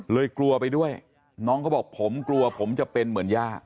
กลัวไปด้วยน้องเขาบอกผมกลัวผมจะเป็นเหมือนย่า